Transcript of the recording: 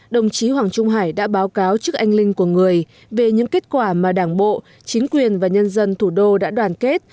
đồng chí hoàng trung hải đã báo cáo trước anh linh của người về những kết quả mà đảng bộ chính quyền và nhân dân thủ đô đã đoàn kết